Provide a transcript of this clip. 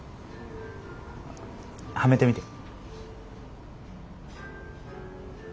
はめてみて。